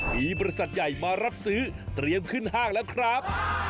มีบริษัทใหญ่มารับซื้อเตรียมขึ้นห้างแล้วครับ